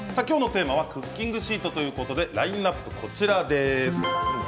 きょうのテーマはクッキングシートということでラインナップは、こちらです。